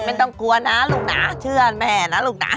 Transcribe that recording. ไม่ต้องกลัวนะลูกนะเชื่อแม่นะลูกนะ